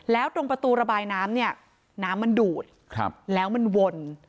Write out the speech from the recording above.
แล้วตรงประตูระบายน้ำเนี่ยน้ำมันดูดแล้วมันวน